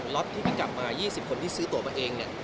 รถที่กลับมา๒๐คนที่ซื้อตัวกลับมาเอง